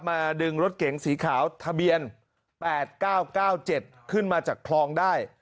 ดึงรถเก๋งสีขาวทะเบียน๘๙๙๗ขึ้นมาจากคลองได้